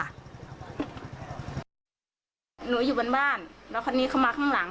หนูอยู่บนบ้านแล้วคราวนี้เขามาข้างหลัง